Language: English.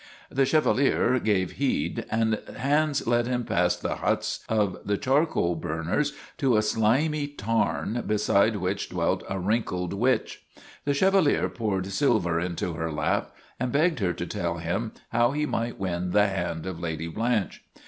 The Chevalier gave heed and Hans led him past the huts of the charcoal burners to a slimy tarn be side which dwelt a wrinkled witch. The Chevalier poured silver into her lap and begged her to tell him how he might win the hand of Lady Blanche.